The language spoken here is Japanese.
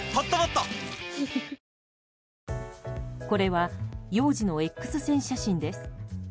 これは幼児のＸ線写真です。